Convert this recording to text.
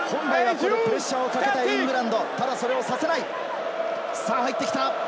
プレッシャーをかけたイングランドだが、それをさせない。